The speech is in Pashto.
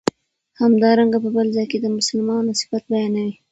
همدارنګه په بل ځای کی د مسلمانو صفت بیانوی